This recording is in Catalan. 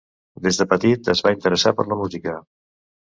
Des de petit es va interessar per la música.